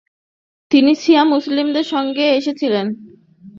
তিনি শিয়া মুসলিমদের সংস্পর্শে এসেছিলেন।